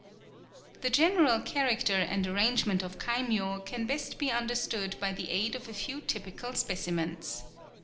The general character and arrangement of kaimyō can best be understood by the aid of a few typical specimens.